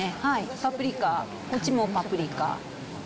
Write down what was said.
パプリカ、こっちもパプリカ。